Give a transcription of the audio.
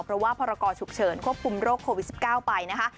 เพราะว่าพรกรฉุกเฉินควบคุมโรคโควิด๑๙ไปนะคะ